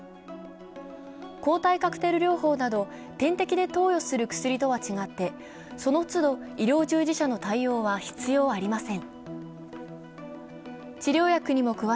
抗体カクテル療法など、点滴で投与する薬とは違ってその都度医療従事者の対応は必要ありません。